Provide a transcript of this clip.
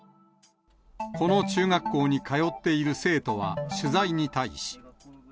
この中学校に通っている生徒は、取材に対し。